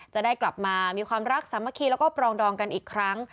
จะได้กลับมามีความรักสามัคคีแล้วก็ปรองดองกันอีกครั้ง